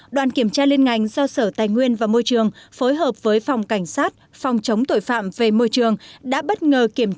đoàn kiểm tra liên ngành do sở tài nguyên và môi trường phối hợp với phòng cảnh sát phòng chống tội phạm về môi trường